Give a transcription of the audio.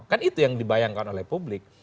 kan itu yang dibayangkan oleh publik